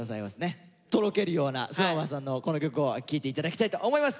とろけるようなＳｎｏｗＭａｎさんのこの曲を聴いて頂きたいと思います。